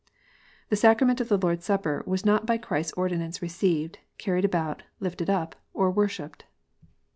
" The Sacrament of the Lord s Supper was not by Christ s ordinance received, carried about, lifted up, or worshipped."